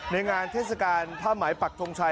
ในงานเทศกาลผ้าหมายปักทงชัย